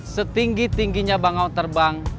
setinggi tingginya bangau terbang